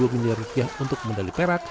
satu dua miliar rupiah untuk medali perak